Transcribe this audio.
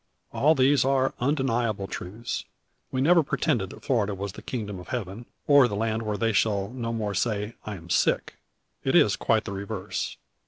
All these are undeniable truths. We never pretended that Florida was the kingdom of heaven, or the land where they shall no more say, "I am sick." It is quite the reverse.